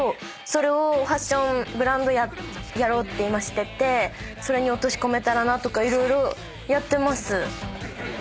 それをファッションブランドやろうって今しててそれに落とし込めたらなとか色々やってます。